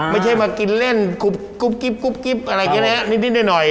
ไม่ใช่มากินเล่นกุบกิบอะไรแบบนี้นิดหน่อย